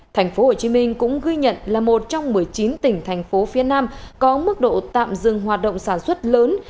thành phố hồ chí minh cũng ghi nhận là một trong một mươi chín tỉnh thành phố phía nam có mức độ tạm dừng hoạt động sản xuất lớn